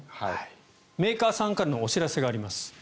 メーカーさんからのお知らせがあります。